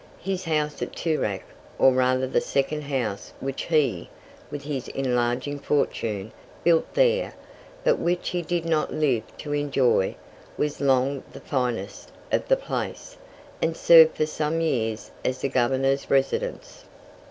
His house at Toorak, or rather the second house which he, with his enlarging fortune, built there, but which he did not live to enjoy, was long the finest of the place, and served for some years as the Governor's residence.